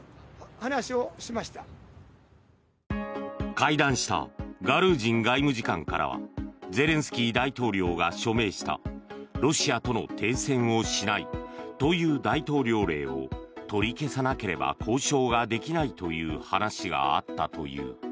会談したガルージン外務次官からはゼレンスキー大統領が署名したロシアとの停戦をしないという大統領令を取り消さなければ交渉ができないという話があったという。